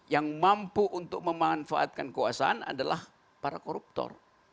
yang mampu untuk memanfaatkan kekuasaan adalah para koruptor